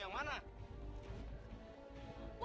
saya sudah kemp sowie